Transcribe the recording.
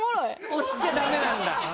押しちゃダメなんだ。